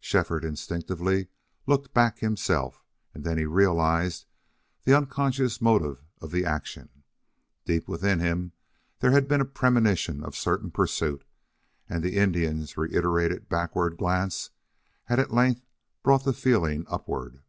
Shefford instinctively looked back himself, and then realized the unconscious motive of the action. Deep within him there had been a premonition of certain pursuit, and the Indian's reiterated backward glance had at length brought the feeling upward.